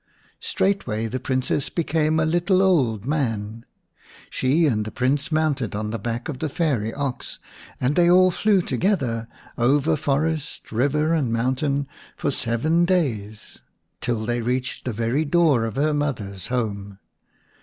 Straightway the Princess became a little old man. She and the Prince mounted on the back of the fairy ox, and they all flew together over forest, river, and mountain for seven days, till they reached the very door of her mother's home.